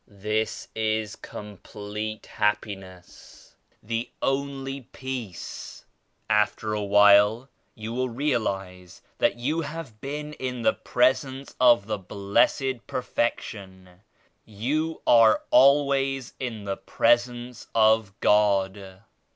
This is complete happiness; the only Peace. After a while you will realize that you have been in the Presence of the Blessed 41 Perfection. You are always in the Presence of God.